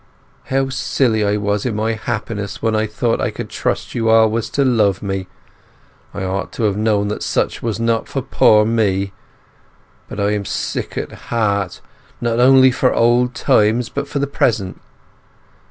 How silly I was in my happiness when I thought I could trust you always to love me! I ought to have known that such as that was not for poor me. But I am sick at heart, not only for old times, but for the present.